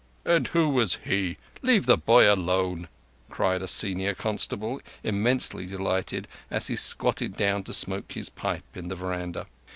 "And who was he? Leave the boy alone," cried a senior constable, immensely delighted, as he squatted down to smoke his pipe in the veranda.